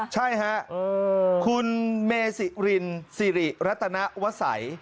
ใช่ฮะคุณเมซิรินซีริรัตนาวัสไส